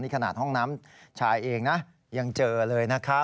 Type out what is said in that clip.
ขนาดห้องน้ำชายเองนะยังเจอเลยนะคะ